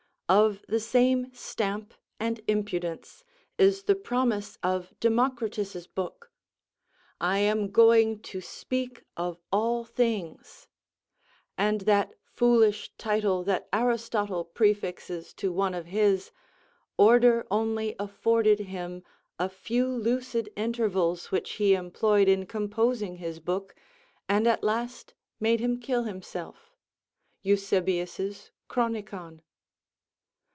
Of the same stamp and impudence is the promise of Democritus's book: "I am going to speak of all things;" and that foolish title that Aristotle prefixes to one of his, order only afforded him a few lucid intervals which he employed in composing his book, and at last made him kill himself, Eusebius's Chronicon.